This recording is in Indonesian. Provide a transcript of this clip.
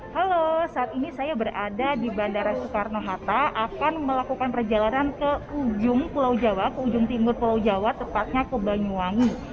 halo saat ini saya berada di bandara soekarno hatta akan melakukan perjalanan ke ujung pulau jawa ke ujung timur pulau jawa tepatnya ke banyuwangi